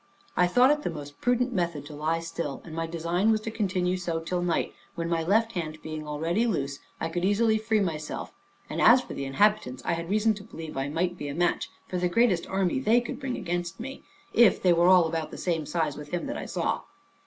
I thought it the most prudent method to lie still, and my design was to continue so till night, when my left hand being already loose, I could easily free myself; and as for the inhabitants, I had reason to believe I might be a match for the greatest army they could bring against me, if they were all of the same size with him that I saw.